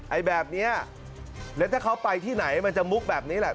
ไอ้แบบนี้แล้วถ้าเขาไปที่ไหนมันจะมุกแบบนี้แหละ